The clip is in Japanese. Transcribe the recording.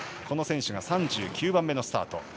この選手が３９番目のスタート。